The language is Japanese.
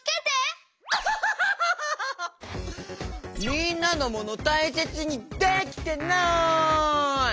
みんなのモノたいせつにできてない！